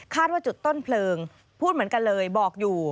ว่าจุดต้นเพลิงพูดเหมือนกันเลยบอกอยู่